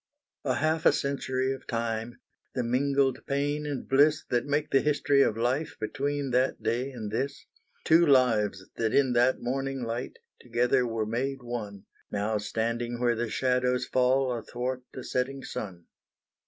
A half a century of time, The mingled pain and bliss That make the history of life Between that day and this; Two lives that in that morning light, Together were made one, Now standing where the shadows fall Athwart the setting sun.